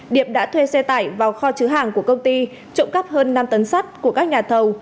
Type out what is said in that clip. điệp đã thuê xe tải vào kho chứa hàng của công ty trộm cắp hơn năm tấn sắt của các nhà thầu